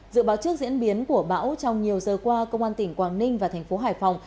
dự báo trước diễn biến của bão trong nhiều giờ qua công an tỉnh quảng ninh và thành phố hải phòng